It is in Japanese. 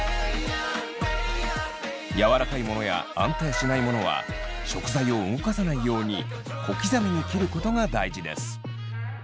柔らかいものや安定しないものは食材を動かさないように小刻みに切ることが大事です。